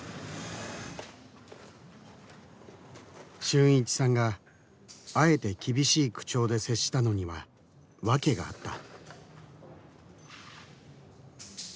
春一さんがあえて厳しい口調で接したのには訳があった。